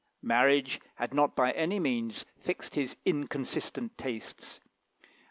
Marriage had not by any means fixed his inconstant tastes.